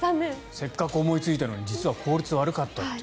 せっかく思いついたのに効率が悪かったという。